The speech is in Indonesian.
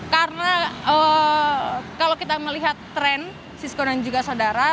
karena kalau kita melihat tren cisco dan juga saudara